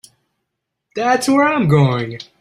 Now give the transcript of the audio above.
That's where I'm going.